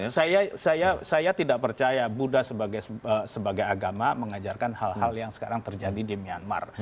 saya tidak percaya buddha sebagai agama mengajarkan hal hal yang sekarang terjadi di myanmar